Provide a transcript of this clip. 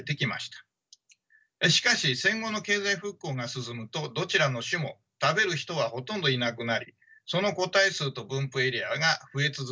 しかし戦後の経済復興が進むとどちらの種も食べる人はほとんどいなくなりその個体数と分布エリアが増え続けました。